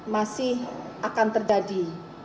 masih akan terjadi